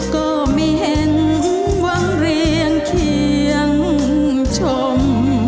ก็ไม่เห็นหวังเรียงเคียงชม